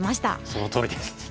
そのとおりです。